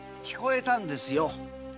聞こえたんですよ。